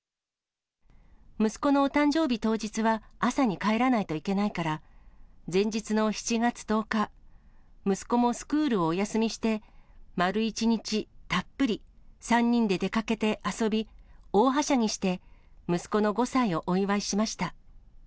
息子のお誕生日当日は、朝に帰らないといけないから、前日の７月１０日、息子もスクールをお休みして、丸一日、たっぷり、３人で出かけて遊び、大はしゃぎして、息子の５歳をお祝いしました。